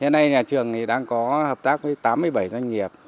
hiện nay nhà trường đang có hợp tác với tám mươi bảy doanh nghiệp